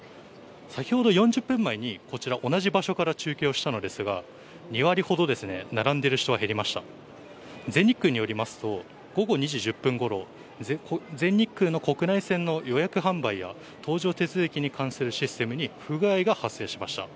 先ほど４０分前にこちら同じ場所から中継をしたのですが、２割ほど並んでいる人が減りました全日空によりますと、午後２時１０分ごろ、全日空の国内線の予約・販売や登場手続きに関するシステムに不具合が発生しました。